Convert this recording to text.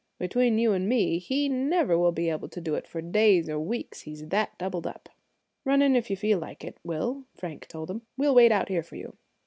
Between you and me, he never will be able to do it for days or weeks, he's that doubled up." "Run in, if you feel like it, Will," Frank told him. "We'll wait out here for you."